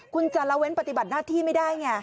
คุณจะละเว้นปฏิบัติหน้าที่ไม่ได้ไง